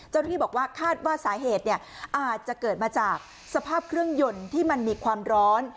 ที่บอกว่าคาดว่าสาเหตุอาจจะเกิดมาจากสภาพเครื่องยนต์ที่มันมีความร้อน